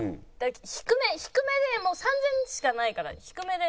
低め低めでもう３０００しかないから低めで。